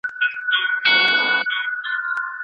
تور او سور زرغون ویاړلی بیرغ غواړم